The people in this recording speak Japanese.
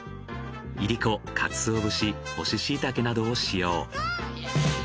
いりこかつお節干ししいたけなどを使用。